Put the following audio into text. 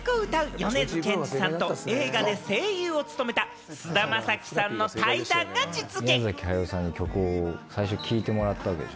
楽曲を歌う米津玄師さんと、映画で声優を務めた菅田将暉さんの対談が実現。